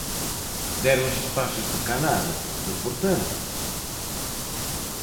Déronse pasos de calado, importantes?